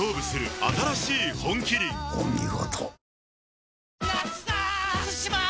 お見事。